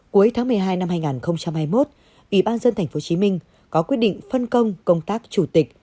cuối tháng một mươi hai năm hai nghìn hai mươi một ubnd tp hcm có quyết định phân công công tác chủ tịch